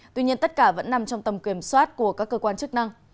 tuy nhiên tất cả vẫn nằm trong tầm kiểm soát của các cơ quan chức năng